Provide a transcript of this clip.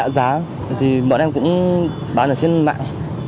giá thì bọn em cũng bán ở trên mạng